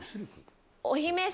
お姫様